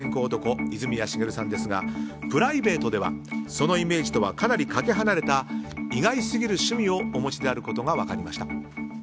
数々の伝説を残す破天荒男泉谷しげるさんですがプライベートではそのイメージとはかなりかけ離れた意外すぎる趣味をお持ちであることが分かりました。